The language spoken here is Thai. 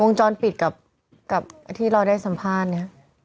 วงจรปิดกับที่เราได้สัมภาษณ์เนี่ย